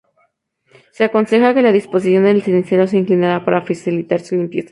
Se aconseja que la disposición del cenicero sea inclinada para facilitar su limpieza.